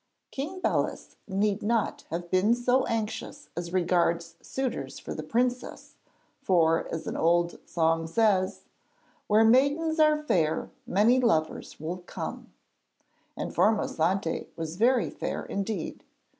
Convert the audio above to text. King Belus need not have been so anxious as regards suitors for the princess, for as an old song says: 'Where maidens are fair, many lovers will come,' and Formosante was very fair indeed.